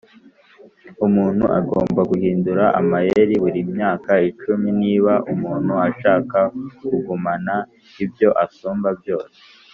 “umuntu agomba guhindura amayeri buri myaka icumi niba umuntu ashaka kugumana ibyo asumba byose”